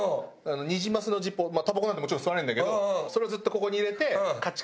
ニジマスのジッポーをたばこなんてもちろん吸わないんだけどそれをずっとここに入れてカチカチやってたら。